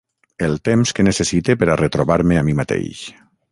El temps que necessite per a retrobar-me a mi mateix.